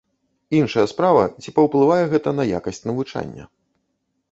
Іншая справа, ці паўплывае гэта на якасць навучання?